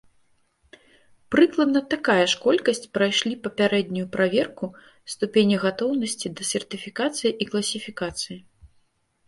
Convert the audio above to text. Прыкладна такая ж колькасць прайшлі папярэднюю праверку ступені гатоўнасці да сертыфікацыі і класіфікацыі.